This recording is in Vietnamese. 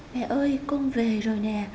mẹ ơi con về rồi nè